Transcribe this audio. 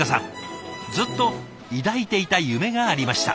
ずっと抱いていた夢がありました。